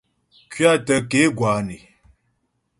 Kuatə ke gwǎ né.